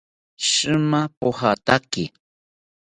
Shima pojataki